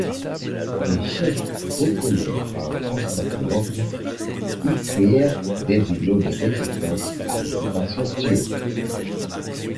Des chefs reconnus par Constantinople y créèrent des ilots de résistance à l’occupation turque.